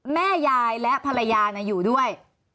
แม่ยายและภรรยาอยู่ด้วย